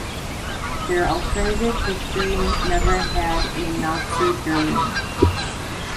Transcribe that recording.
Their alternative history never had a Nazi Germany.